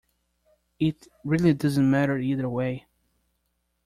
It really doesn't matter either way.